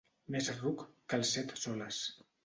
Més ruc que el Set-soles.